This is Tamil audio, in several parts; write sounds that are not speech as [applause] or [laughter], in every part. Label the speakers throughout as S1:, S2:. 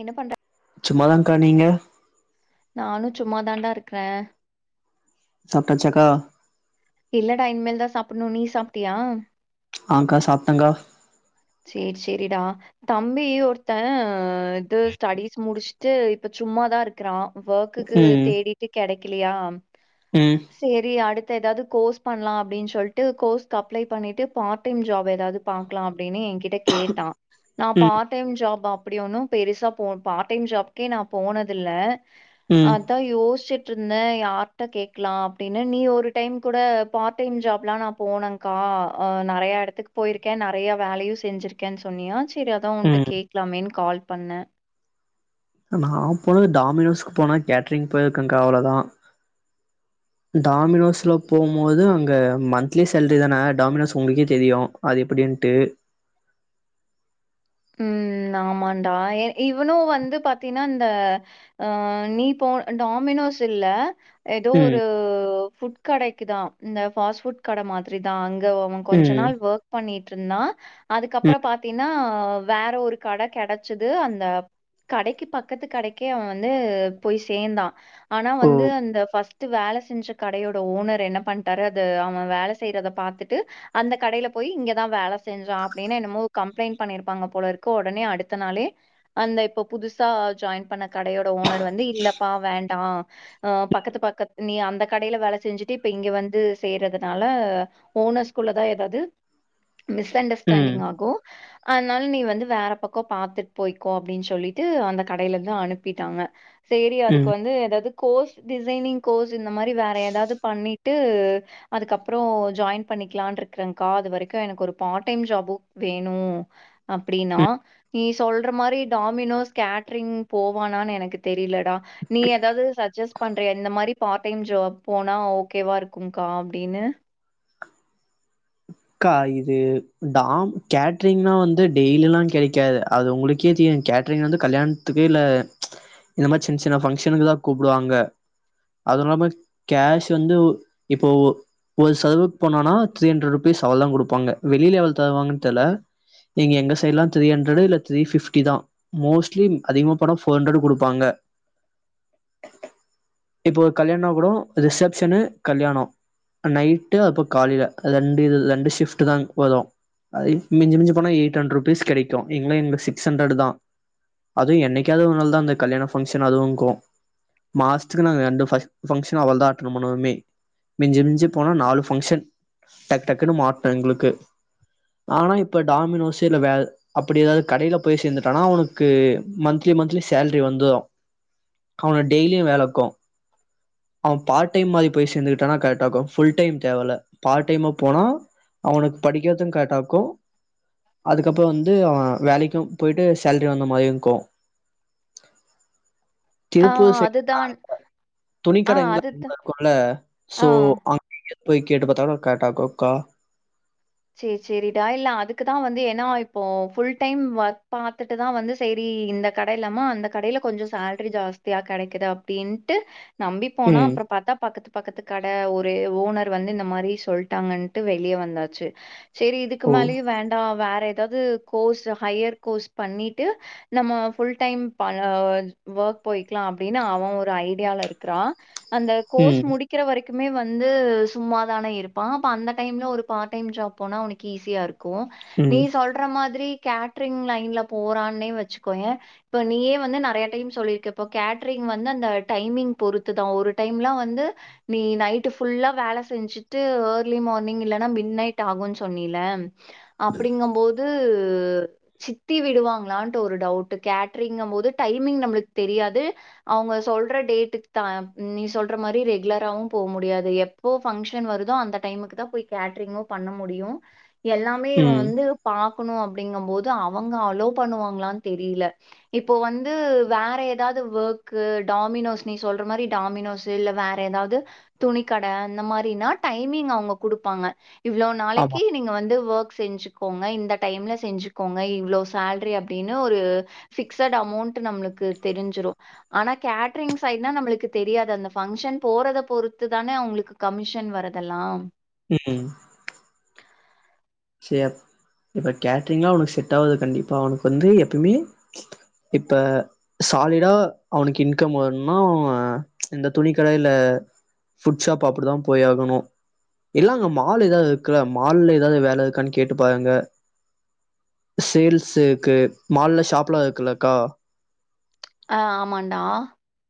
S1: என்ன பண்ற
S2: சும்மாதாங் கா நீங்க
S1: நானு சும்மா தாண்டா இருக்குற
S2: சப்ட்டாச்சாக்கா
S1: இல்லடா இனிமேல்தா சாப்பிட்ணோ நீ சாப்ட்டியா
S2: ஆஹ் க்கா சாப்டங்கா
S1: சேரி சேரிடா தம்பி ஒருத்த வந்ட்டு ஸ்டடீஸ் முடிச் ட்டு இப்ப சும்மாதா இருக்குறா ஒர்க்கு
S2: ம்
S1: தேடிட்டு கெடைக் இல்லயா
S2: ம்
S1: சேரி அடுத் ஏதாவது கோர்ஸ் பண்லா அப்டின்னு சொல்ட்டு கோர்ஸ்கு அப்ளை பண்ணிட்டு பார்ட் டைம் ஜாப் ஏதாவது பாக்ல அப்டினு என்கி என்ட்ட கேட்டா நா
S2: ம்
S1: பார்ட் டைம் ஜாப் பாப் அப்படி ஒன்னோ பெருசா போ பார்ட் டைம் ஜாப்கே நா போனதில்ல
S2: ம்
S1: அதா யோச்ட் இருந்த யாரிட்ட கேக்கலா அப்டின்னு நீ ஒரு டைம் கூட பார்டைம் ஜாப்ல்லா நா போன்கா நறைய எடத்துக்கு போயிருக்கே நறைய வேலயூ செஞ்சிருக்கேன் சொன்னியாச் சேரி அதா உன்ட
S2: ம்
S1: கேக்கலாமேன்னு கால் பண்ண
S2: நா போனது டாமினோஸ்க்கு போன கேட்டரிங் ப போன்ற வேலதா டாமினோஸ்ல போகும்போது அங்க மந்த்லி சேலரி தானே டாமினோஸ் உங்களுக்கே தெரியு அது எப்படின்ட்டு
S1: உம் ஆமாடா இவ் இவ்னு வந்து பாத்தீன்னா இந்த அஹ் நீ போன டாமினோஸ் இல்ல ஏதோ
S2: ம்
S1: ஒரூ ஃபுட் கடைக்குதா இந்த ஃபாஸ்ட் ஃபுட் கட மாத்ரி தா அங் அங்க அவ கொஞ்ச
S2: ம்
S1: நாள் ஒர்க் பண்ணிட் ட்டுருந்தா அதுக்கப்புற
S2: ம்
S1: பாத்தீன்னா ஆஹ்ம் வேற ஒரு கட கெடைச்து அந்த கடைக்கு பக்கத்து கடைக்கே அவன் வந்து போய் சேந்தா ஆனா
S2: ஓ
S1: வந்து அந்த ஃபஸ்ட் ட்டு வேல செஞ்ச கடையோட ஓனர் என்ன பண்ட்டாரு அது அவன் வேலை செய்யறதை பாத்துட்டு அந்த கடைல போய் இங்கதான் வேலை செஞ்சான் அப்புடின்னு என்னமோ கம்ப்ளைண்ட் பண்ணிரு பாங்க போல இருக்கு ஒடனே அடுத்த நாளே அந்த இப்ப புதுசா ஜாயின் பண்ண கடையோட ஓனர் வந்து இல்லப்பா வேண்டா அ பக்கத்து பக்கத் நீ அந்த கடைல வேல செஞ்சுட்டு இப்ப இங்க வந்து சேர்றதுனால ஓனர்ஸ்குள்ளதா எதாவ்து மிஸ்
S2: ம்
S1: அண்டர்ஸ்டாண்டிங் ஆகு அத்னால நீ வந்து வேற பக்கோ பாத்துட் போய்க்கோ அப்டின் சொல்லிட்டு அந்த கடைலருந்து அனுப்பிட்டாங்க சேரி
S2: ம்
S1: அதுக்கு வந்து எதாவ்து கோர்ஸ் டிசைனிங் கோர்ஸ் இந்த மாரி வேற எதாவ்து பண்ணிட்டு அதுக்கப்பறோ ஜாயின் பண்ணிக்கலான்ட்ருக்கறங்க்கா அது வரைக்கு எனக்கு ஒரு பார்ட் டைம் ஜாபு வேணு அப்படினா
S2: ம்
S1: நீ சொல்ற மாரி டாமினோஸ் கேட்ரிங் போவானான் எனக்கு தெரிலடா நீ எதாவ்து சஜெஸ்ட் பண்றியா இந்த மாரி பார்ட் டைம் ஜாப் போனா ஓகேவா இருக்கும்க்கா அப்டினு
S2: அக்கா இது டாம் கேட்ரிங்னா வந்து டெய்லிலா கெடைக்காது அது உங்களுக்கே தெரியு கேட்ரிங் வந்து கல்யாண்த்துக்கு இல்ல இந்த மாரி சின் சின்ன ஃபங்ஷனுக்கு தா கூப்டுவாங்க அது இல்லாம கேஷ் வந்து ஒ இப்போ ஒ ஒரு சர்வுக் போனோனா த்ரீ அண்ட்ரெட் ருப் பீஸ் அவ்ளோ தா குடுப்பாங்க வெளில எவ்ள தருவாங்கன் தெர்ல, இங்க எங்க சைட்ல்லா திரி அன்ட்ரடூ இல்ல திரி ஃபிப்டி தா, மோஸ்லி அதிகமா போனா ஃபோர் அன்ட்ரடூ குடுப்பாங்க இப்ப ஒரு கல்யாண்னா கூடோ ரிசேப்ஷனு, கல்யாணோ நைட்டு அப்ப காலில [unintelligible] ரெண்டுி் தான் ரெண்டு ஷிபட் தான் போடும். அது மிஞ்சி மிஞ்சி போனா எய்ட் ஹண்ட்ரட் ருபிஸ் கெடைக்கும். இங்க சிக்ஸ் ஹண்ட்ரட் தான் அதுவும் என்னைக்காவது ஒரு நாள் தான் அந்த கல்யாண ஃபங்ஷன் அதுவும் இருக்கும் மாசத்துக்கு நா ரெண்டு ஃபங்சன் தான் அட்டெண்ட் பண்ணுவுமே மிஞ்சி மிஞ்சி போனா நாலு ஃபங்க்ஷன் டக் டக்குனு மாட்ணு எங்களுக்கு ஆனா இப்ப டாமினோஸ் இல்ல வே அப்படி எதாவது கடைல போய் சேந்துட்டானா அவனுக்கு மந்த்லி மந்த்லி சேலரி வந்துரு அவனு டெய்லியு வேல இக்கு அவ பார்ட் டைம் மாரி போய் சேந்துகிட்டானா கரெட்டாக்கு ஃபுல் டைம் தேவல்ல பார்ட் டைமா போனா அவனுக் படிக்கற்து கரெட்டாக்கு அதுக்கப்புறம் வந்து அவ வேலைக்கும் போயிட்டு சேலரி வந்த மதிய கு திருப்பூர்
S1: ஆஹ்
S2: சைடு
S1: அதுதான்
S2: [inaudible]
S1: ஆஹ்
S2: துணிக்கதைங்கல்லா [inaudible]
S1: அதுதான்
S2: இருக்குல்ல சோ
S1: ஆஹ்
S2: [inaudible] போய் கேட்டு பாத்தா [unintelligible] கரட்டாக்குக்கா
S1: சேர் சேரிடா இல்ல அதுக்கு தா வந்து ஏன்னா இப்போ ஃபுல் டைம் ஒர்க் பாத்துட்டு தா வந்து சேரி இந்த கடை இல்லாம அந்த கடைல கொஞ்சோ சேலரி ஜாஸ்தியா கெடைக்குது அப்படின்ட்டு நம்பி போனா
S2: ம்
S1: அப்றோ பாத்தா பக்கத்து பக்கத்துக்கட ஒரு ஓனர் வந்து இந்த மாரி சொல்ட்டாங்கன்ட்டு வெளிய வந்தாச்சு சரி இதுக்கு
S2: ஓ
S1: மேலயும் வேண்டாம் வேற எதாவ்து கோர்ஸு ஹையர் கோர்ஸ் பண்ணிட்டு நம்ம ஃபுல் டைம் [unintelligible] ஒர்க் போய்க்கலா அப்டினு அவ ஒரு ஐடியால இருக்கறா அந்த கோர்ஸ்
S2: ம்
S1: முடிக்கற வரைக் க்குமே வந்து சும்மா தான இருப்பா அப்ப அந்த டைம்ல ஒரு பார் டைம் ஜாப் போனா உனக் ஈஸியா இருக் [unintelligible] நீ
S2: ம்
S1: சொல்ற மாதிரி கேட்ரிங் லைன்ல போறான்னே வெச்சுக்கோயே இப்ப நீயே வந்து நெறைய டைம் சொல்லிருக்க இப்ப கேட்ரிங் வந்து அந்த டைமிங் பொறுத்து தா ஒரு டைம்லா வந்து நீ நைட்டு ஃபுல்லா வேல செஞ்சுட்டு ஏர்லி மார்னிங் இல்லன்னா மி ட் நைட் ஆகுன் சொன்னீல்ல அப்படிங்கம்போது து சித்தி விடுவாங்களான்ட்டு ஒரு டவுட்டு கேட்ரிங்கம்போது டைமிங் நம்மளுக் தெரியாது அவங்க சொல்ற டேட்டுக் தா நீ சொல்ற மாரி ரெகுலராவு போ முடியாது எப்போ ஃபங்ஷன் வருதோ அந்த டைமுக்கு தா போய் கேட் ட்ரிங்கு பண்ண முடியு எல்லாமே இவ
S2: ம்
S1: வந்து பா கணு அப்டிங்கம்போது அவங்க அலோ பண்ணுவாங்களான் தெரீல இப்ப வந்து வேற எதாவ்து வொர்க்கு டாமினோஸ் நீ சொல்ற மாரி டாமினோஸ் இல்ல வேற எதாவ்து துணி கட அந்த மாரின்னா டைமிங் அவங்க குடுப்பாங்க இவ்ளோ
S2: ஆமா
S1: நாளைக்கு நீங்க வந்து ஒர்க் செஞ்சு கோங்க இந்த டைம்ல செஞ்சுக்கோங்க இவ்ளோ சேலரி அப்டின்னு ஒரு ஃபிக்சட் அமௌண்ட்டு நம்ளுக்கு தெரிஞ்சிரு ஆனா கேட்ரிங் சைட்னா நம்மளுக்கு தெரியாது அந்த ஃபங்க்ஷன் போறத பொறுத்து தான அவங்களுக்கு கமிஷன் வரதெல்லா
S2: உம் ம் செரி இப்ப கேட்ரிங்லாம் அவனுக்கு செட் ஆகுது கண்டிப்பா அவனுக்கு வந்து எப்பயுமே இப்ப சாலிடா அவனுக்கு இன்கம் வரணும் இந்த துணி கடையில ஃபுட் ஷாப் அப்படிதான் போய் ஆகணும் இல்லா அங்க மால் ஏதாவது இருக்கா மால்லஏதாவது வேலை இருக் காணு கேட்டு பாருங்க சேல்ஸ் இருக்கு மால்ல ஷாப்ல இருக்குல்லக்கா
S1: ஆ ஆமான்டா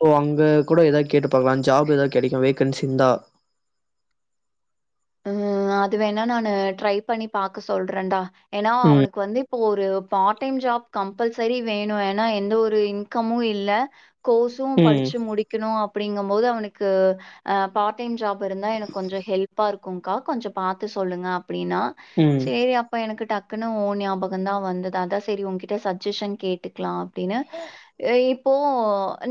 S2: ஓ அங்க கூட எதாத் கேட்டு பாக்கலா ஜாப் எதாவது கெடைக்கோ வெயிட் கன்சின் தா
S1: ம் அது வேணா நானு ட்ரை பண்ணி பாக்க சொல்றேன்டா ஏன்னா
S2: ம்
S1: அவனுக்கு வந்துப் இப்ப ஒரு பார்ட் டைம் ஜாப் கம்பல்சரி வேணோ ஏன்னா எந்த ஒரு இன்கமு இல்ல கோர்ஸும்
S2: ம்
S1: படிச்சு முடிக்குணோ அப்படிங்கும்போது அவனுக்கு அ பார்ட் டைம் ஜாப் இருந்தா எனக்கு கொஞ்சோ ஹெல்ப் ப்பா இருக்குங்கா கொஞ்சோ பாத்து சொல்லுங்க அப்டீன்னா
S2: ம்
S1: சேரி அப்ப எனக்கு டக் டக்குனு ஓ ஞாபகந்தா வந்துது அதா சேரி உங்கிட்ட சஜஷன் கேட்டுக்கலா அப்டினு இப்போ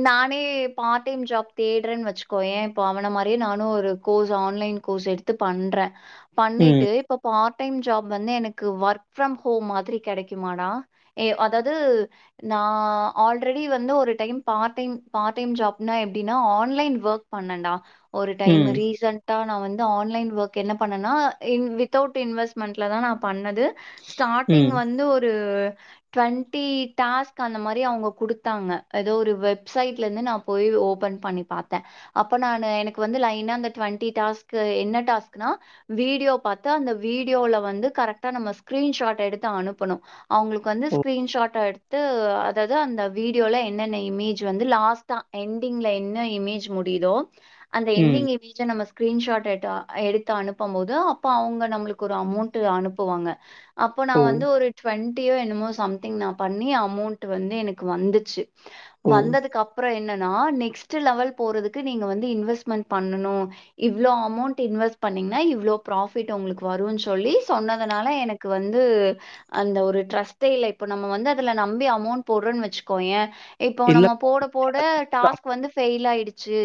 S1: நானே பார்ட் டைம் ஜாப் தேடுறேன் வச்கோயே இப்ப அவன மாரியே நானோ ஒரு கோர்ஸ் ஆன்லைன் கோர்ஸ் எடுத்து பண்ற
S2: ம்
S1: பண்ணிட்டு இப்ப பார்ட் பார்ட் டைம் ஜாப் வந்து எனக்கு ஒர்க் ப்ஃரம் ஹோம் மாதிரி கெடைக்குமாடா ஏ அதாது நா ஆல்ரெடி வந்து ஒரு time part time part time ஜாப்னா எப்டினா ஆன்லைன் ஒர்க் பண்ணன்டா ஒரு டைம்
S2: ம்
S1: ரீசன்ட் டா நா வந் து ஆன்லைன் ஒர்க் என்ன பண்ணனா இன் வித்தவுட் இன்வெஸ்ட்மெண்ட்லதா நா பண்ணது ஸ்டார்டிங்
S2: ம்
S1: வந்து ஒரு டுவண்டி டாஸ்க் அந்த மாரி அவுங்க குடுத்தாங்க ஏதோ ஒரு வெப்சைட்லேந்து நா போய் ஓபன் பண்ணி பாத்தே அப்ப நானு எனக்கு வந்து லயனா அந்த டுவண்டி டாஸ்க் க் என்ன டாஸ்க்னா வீடியோ பாத்து அந்த வீடியோல வந்து கரெட்டா நம்ம ஸ்கிரீன்ஷாட் எடுத்து அனுப்புனு அவுங்களுக்கு வந்து
S2: ஓ
S1: ஸ்கிரீன்ஷாட்டா எடுத்து அதாவது அந்த வீடியோல என்னென்ன இமேஜ் வந்து லாஸ்டா எண்டிங்ல என்ன இமேஜ் முடியுதோ அந்த
S2: ம்
S1: எண்டிங்க இமேஜ் நம்ம ஸ் க்ரீன்ஷாட் டேட்டா எடுத்து அ எடுத்து அனுப்பும்போது அப்ப அவுங்க நம்மளுக்கு ஒரு அமௌண்ட் அனுப்புவாங்க அப்போ நா
S2: ஓ
S1: வந்து ஒரு டுவண்டியோ என்னமோ சம்திங் நா பண்ணி அமௌண்ட் வந்து எனக்கு வந்துச்சு
S2: ஓ
S1: வந்ததுக்கு அப்புறோ என்ன னா நெக்ஸ்ட் லெவல் போறதுக்கு நீங்க வந்து இன்வெஸ்ட்மெண்ட் பண்னணோ இவ்ளோ அ அமௌண்ட் இன்வெஸ்ட் பண்ணீங்னா இவ்ளோ ப்ராஃபிட் உங்களுக்கு வருன் சொல்லி சொன்னதனால எனக்கு வந்து அந்த ஒரு ட்ரஸ்ட்டே இல்ல இப்ப நம்ம வந்து அதுல நம்பி அமௌண்ட் போட்றோன்னு வச்சுக்கோயே இப்போ
S2: இல்ல
S1: நம்ம போட போட டாஸ்க் வந்து ஃபெயில் ஆயிடுச்சு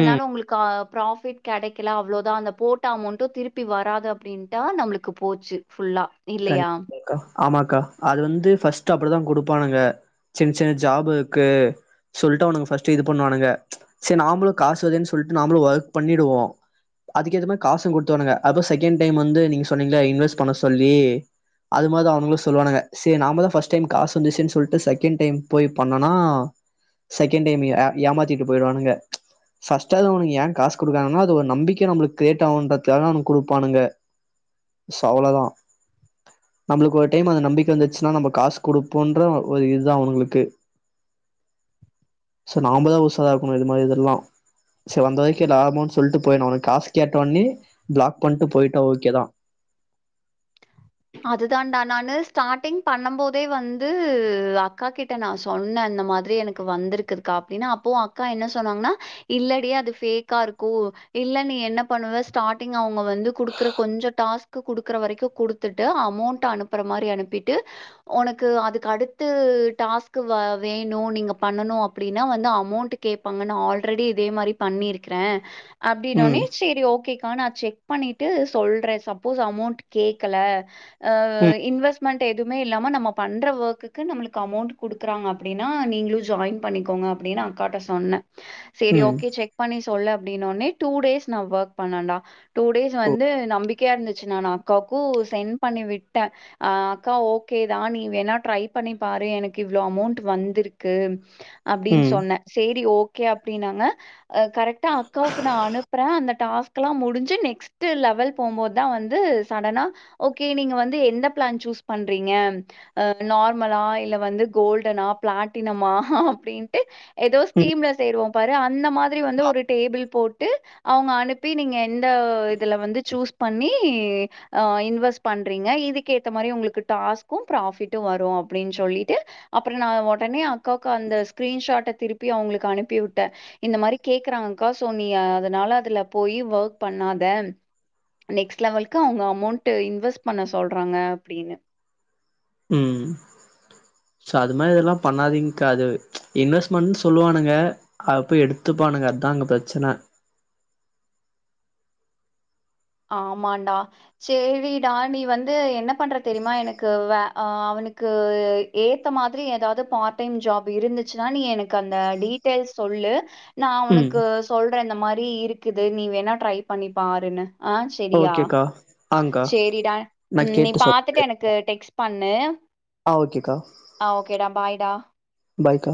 S2: ம்
S1: உங்களுக்கு ஆ ப்ராபிட் கெடைக் லா அவ்ளோதா அந்த போட்ட அமௌண்டு திருப்பி வராது அப்படின்டா நம்ளுக்கு போச்சி ஃபுல்லா இல்லியா
S2: கண்டிப்பாக்கா ஆமாக்கா அது வந்து ஃபர்ஸ்ட் அப்படிதா குடுப்பானுங்க சின்ன சின்ன ஜாப் இக்கு சொல்ட்டு அவுனுங் பஸ்ட் இது பண்ணுவானுக செரி நாமளோ காசு வருதேனு சொல்ட்டு நாமளோ ஒர்க் பண்ணிடுவோ அதுக்கு ஏத்த மாரி காசு குடுத்டுவானுங்க அப்ப செகண்ட் டைம் வந்து நீங்க சொன்னீங்ல்ல இன்வெஸ்ட் பண்ண சொல் லி அது மாரிதா அவுனுங்களு சொல்லுவானுங்க சேர் நாம தா பர்ஸ்ட் டைம் காசு வந்துச்சுன் சொல்ட்டு செகண்ட் டைம் போய் பண்னோன்னா செகெண்ட் டைம் ஏமாத்திட்டு போயிடுவானுங்க பர்ஸ்ட்டாவுது அவுனுங் ஏ காஸ் குடுக்ரானுங்கன்னா அது ஒரு நம்பிக்கைய நம்ளுக்கு கிரியேட் ஆவுன்றதுக்காகதா அவனுக குடுப்பானுங்க சோ அவ்ளோதா நம்மளுக்கு ஒரு டைம் அந்த நம்பிக்க வந்துச்சுன்னா நம்ம காஸ் குடுப்போன்ற ஒரு இதுதா அவனுங்ளுக்கு சோ நாமதா உசாராருக்கணோ இது மாரி இதெலா சேர் வந்த வரைக்கோ லாபோனு சொல்ட்டு போயினோ அவனுங்க காஸ் கேட்ட உடனே பிளாக் பண்ட்டு போயிட்டா ஓகேதா
S1: அதுதான்டா நானு ஸ்டார்டிங் பண்ணும் போதே வந்து அக்கா கிட்ட நா சொன்ன இந்த மாதிரி எனக்கு வந்திருக்குதுக்கா அப்டினு அப்பாவு அக்கா என்ன சொன்னாங்னா இல்லேடி அது ஃபேக்கா இருக்கோ இல்ல நீ என்ன பண்ணுவ ஸ்டார்டிங் அவுங்க வந்து குடுக்கற கொஞ்சோ டாஸ்க் குடுக்குற வரைக்கோ குடு த்துட்டு அமௌண்ட் அனுப்புற மாரி அனுப்பிட்டு ஒனக்கு அதுக்கு அடுத்து டாஸ்க் வ வேணு நீங்க பண்ணணு அப்படின்னா வந்து அமௌண்ட் கேப்பாங்க நா ஆல்ரெடி இதே மாரி பண்ணிருக்கற
S2: ம்
S1: அப்படின்னொனே சேரி ஓகே ஆ நா செக் பண்ணிட்டு சொல்றன் சப்போஸ் அமௌண்ட் கேக் கல ஆஹ்
S2: ம்
S1: இன்வெஸ்ட்மெண்ட் எதுமே இல்லாம நம்ம பண்ற வொர்குக்கு நம்மளுக்கு அமௌண்ட் குடுக்குறாங்க அப்டின்னா நீங்களும் ஜாயின் பண்ணிக்கோங்க அப்டின்னு அக்காட்ட சொன்ன சேரி
S2: ம்
S1: ஓக்கே செக் பண்ணி சொ சொல்ல அப்டின்னொனே டூ டேஸ் நா வொர்க் பண்ணாடா டூ டேஸ்
S2: ஓ
S1: வந்து நம்பிக்கையா இருந்துச்சு நானு அக்காவுக் ஓ சென்ட் பண்ணி விட்ட அ அக்கா ஓகேதா நீ வேணா ட்ரை பண்ணி பாரு எனக்கு இவ்ளோ அமௌண்ட் வந்திருக்கு அப்டின்னு
S2: ம்
S1: சொன்ன சேரி ஓக் ஓகே அப்டின்னாங்க கரெக்டா அக்காவுக்கு நா அனுப்புறேன் அந்த டாஸ்கல்லாம் முடிஞ்சு நெக்ஸ்ட்டு லெவல் போம்போதுதா வந்து சடனா ஓகே நீங்க வந்து எந்த பிளான் சூஸ் பண்றீங்க ஆ நார்மலா இல்ல வந்து கோல்டனா பிளாட்டினமா அப்டின்ட்டு ஏதோ
S2: ம்
S1: ஸ்கீம்ல சேருவோம் பாரு அந்த மாத்ரி வந்து ஒரு டேபிள் போட் ட்டு அவங்க அனுப்பி நீங்க எந்த இதுல வந்து சூஸ் பண்ணி இன்வெஸ் பண்றீங்க இதுக்கேத்த மாரி உங்களுக்கு டாஸ்கும் பிராஃபிட் உம் வரும் அப்படனு சொல்லிட்டு அப்றம் நா உடனே அக்காவுக்கு அந்த ஸ்கிரீன் ஷாட்ட திருப்பி அவ்ங்களுக்கு அனுப்பி வுட்டேன் இந்த மாரி கேக்குறாங்கா சோ நீ அதனால அதுல போயி வொர்க் பண்ணாத நெக்ட்லெவல்க் கா அவ்ங்க அமௌண்ட்டு இன்வெஸ்ட் பண்ண சொல்றாங்க அப்டின்னு
S2: உம் சோ அது மாரி இதெல்லாம் பண்ணாதீங்க்கா அது இன்வெஸ்ட்மெண்ட்டு சொல்லுவானுங்க [unintelligible] எடுத்துப்பானுங்க அதா அங்க ப்ரச்சன
S1: ஆமான்டா சேரிடா நீ வந்து என்ன பண்ற தெரியுமா எனக்கு வே அ அவனுக்கு ஏத்த மாதிரி ஏதாவது பார்ட் டைம் ஜாப் இருந்துச்சுன்னா நீ எனக்கு அந்த டீட்டெயல்ஸ் சொல்லு நா
S2: ம்
S1: உனக்கு சொல்றன் இந்த மாரி ப்டி இருக்குது நீ வேணா ட்ரை பண்ணி பாருன்னு ஆ செரியா
S2: ஓகேக்கா ஆங்க்கா
S1: செரிடா
S2: நா
S1: உம் நீ
S2: கேட்டு
S1: பாத்துட்டு
S2: சொல்றே
S1: எனக்கு டெக்ஸ் பண் பண்ணு
S2: ஆ ஓகேக்கா
S1: ஆ ஓகேடா பாய் யா
S2: பாய்க்கா